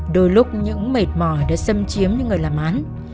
đôi lúc những mệt mỏi đã xâm chiếm những người làm án